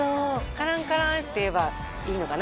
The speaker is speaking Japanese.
カランカランアイスって言えばいいのかな？